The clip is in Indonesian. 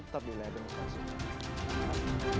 tetap di layar terima kasih